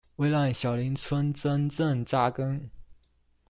為讓小林村真正扎根